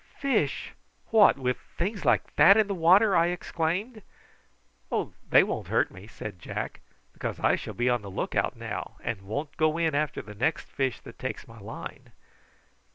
"Fish! what, with things like that in the water?" I exclaimed. "Oh! they won't hurt me," said Jack; "because I shall be on the look out now, and won't go in after the next fish that takes my line.